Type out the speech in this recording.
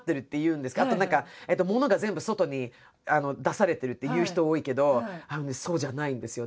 あと何かものが全部外に出されてるって言う人多いけどあのねそうじゃないんですよ。